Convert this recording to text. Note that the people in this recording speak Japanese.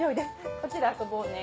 こっちで遊ぼうね